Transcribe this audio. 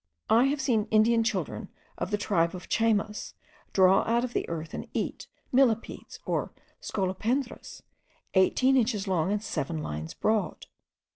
I have seen Indian children, of the tribe of the Chaymas, draw out from the earth and eat millipedes or scolopendras* eighteen inches long, and seven lines broad.